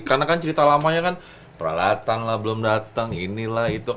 karena kan cerita lamanya kan peralatan lah belum datang ini lah itu